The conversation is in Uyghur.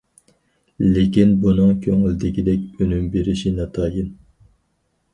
لېكىن بۇنىڭ كۆڭۈلدىكىدەك ئۈنۈم بېرىشى ناتايىن.